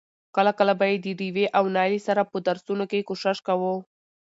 کله کله به يې د ډېوې او نايلې سره په درسونو کې کوشش کاوه.